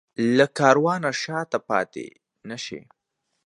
له کاروانه شاته پاتې نه شي.